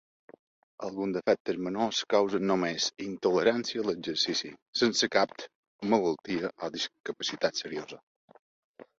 Alguns defectes menors causen només "intolerància a l'exercici" sense capt malaltia o discapacitat seriosa.